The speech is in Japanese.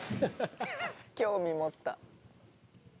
興味持った。